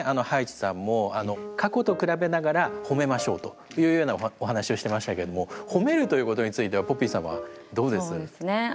葉一さんも過去と比べながらほめましょうというようなお話をしてましたけどもほめるということについてはポピーさんはどうです？